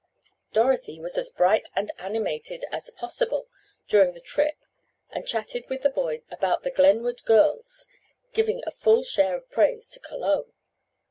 Dorothy was as bright and animated as possible during the trip and chatted with the boys about the Glenwood girls, giving a full share of praise to Cologne.